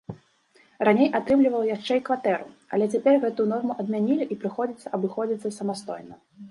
Раней атрымліваў яшчэ і кватэру, але цяпер гэтую норму адмянілі і прыходзіцца абыходзіцца самастойна.